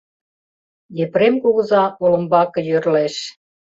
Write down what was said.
Епрем кугыза олымбаке йӧрлеш.